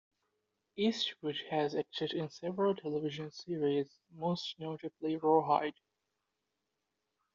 Eastwood has acted in several television series, most notably "Rawhide".